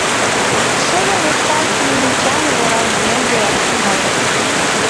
Шоло лышташ нарынчаҥын, оралген, велаш тӱҥалын.